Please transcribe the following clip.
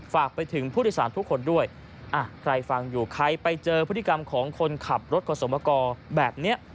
ฝากไปถึงผู้โดยสารทุกคนด้วยใครฟังอยู่ใครไปเจอพฤติกรรมของคนขับรถขอสมกรแบบนี้